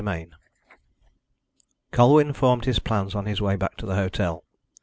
CHAPTER XIX Colwyn formed his plans on his way back to the hotel.